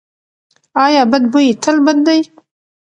ایا بد بوی تل بد دی؟